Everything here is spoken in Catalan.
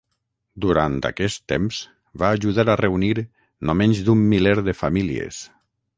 Durant aquest temps va ajudar a reunir no menys d'un miler de famílies.